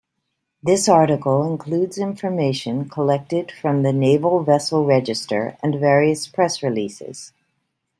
This article includes information collected from the Naval Vessel Register and various press releases.